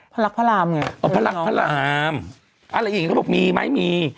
พระรักพระรามไงอ๋อพระรักพระรามอะไรอย่างนี้เขาบอกมีไหมมี